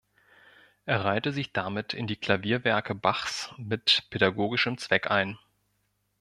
Er reihte sich damit in die Klavierwerke Bachs mit pädagogischem Zweck ein.